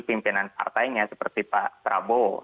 pimpinan partainya seperti pak prabowo